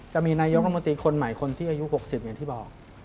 จะมีนายกรมนตรีคนใหม่คนที่อายุ๖๐อย่างที่บอก